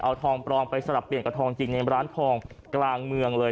เอาทองปลอมไปสลับเปลี่ยนกับทองจริงในร้านทองกลางเมืองเลย